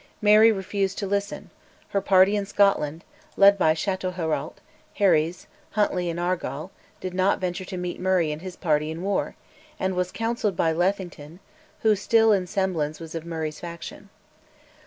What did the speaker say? Mary refused to listen; her party in Scotland, led by Chatelherault, Herries, Huntly, and Argyll, did not venture to meet Murray and his party in war, and was counselled by Lethington, who still, in semblance, was of Murray's faction.